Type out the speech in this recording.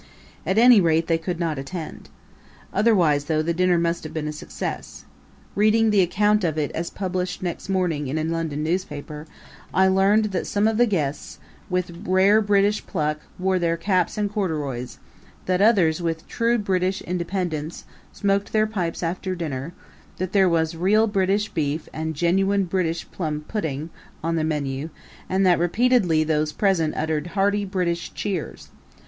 At any rate they could not attend. Otherwise, though, the dinner must have been a success. Reading the account of it as published next morning in a London paper, I learned that some of the guests, "with rare British pluck," wore their caps and corduroys; that others, "with true British independence," smoked their pipes after dinner; that there was "real British beef" and "genuine British plum pudding" on the menu; and that repeatedly those present uttered "hearty British cheers."